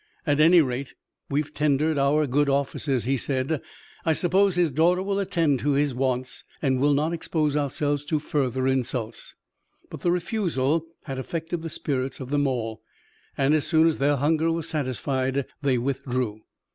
"At any rate, we've tendered our good offices," he said. "I suppose his daughter will attend to his wants, and we'll not expose ourselves to further insults." But the refusal had affected the spirits of them all, and as soon as their hunger was satisfied they withdrew.